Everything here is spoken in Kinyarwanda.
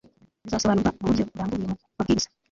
bizasobanurwa muburyo burambuye mu mabwiriza